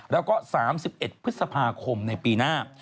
แล้วก็๓๑พฤษภาคมในปีหน้า